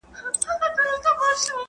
جهاني اوس دي په کوڅو کي پلونه نه وینمه